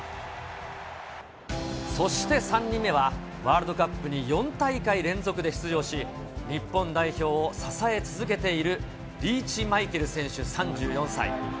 そして３人目は、ワールドカップに４大会連続で出場し、日本代表を支え続けているリーチマイケル選手３４歳。